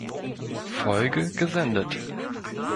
Folge gesendet.